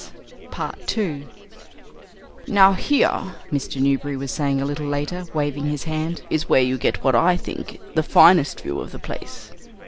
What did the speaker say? "Now, here," Mr. Newberry was saying a little later, waving his hand, "is where you get what I think the finest view of the place."